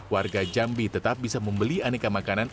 warga jambi tetap bisa membeli aneka makanan